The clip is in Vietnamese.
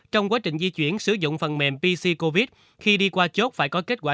trong quá trình di chuyển sử dụng phần mềm pc covid khi đi qua chốt phải có kết quả